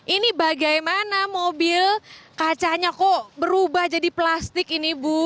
ini bagaimana mobil kacanya kok berubah jadi plastik ini bu